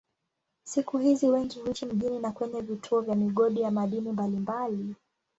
Siku hizi wengi huishi mjini na kwenye vituo vya migodi ya madini mbalimbali.